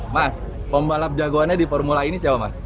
mas pembalap jagoannya di formula ini siapa mas